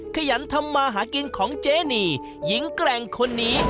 ขยันทำมาหากินของเจนีหญิงแกร่งคนนี้